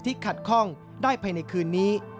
ขัดข้องได้ภายในคืนนี้